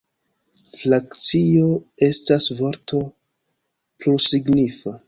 Frakcio estas vorto plursignifa.